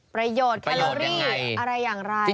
ประโยชน์แคลอรี่อะไรอย่างไร